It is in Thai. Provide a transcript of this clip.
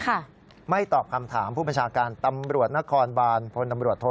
ถ้าเกิดต้องปลอดภัยแล้วจะได้ไม่ต้องไปรบกวนเพราะว่า